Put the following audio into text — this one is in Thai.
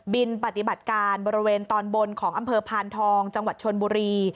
ปฏิบัติการบริเวณตอนบนของอำเภอพานทองจังหวัดชนบุรี